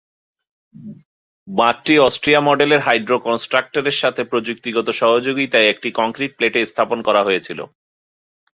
বাঁধটি Austria মডেলের হাইড্রো-কনস্ট্রাক্টের সাথে প্রযুক্তিগত সহযোগিতায় একটি কংক্রিট প্লেটে স্থাপন করা হয়েছিল।